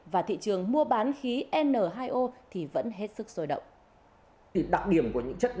và thị trường mua bán khí n hai o thì vẫn hết sức sôi động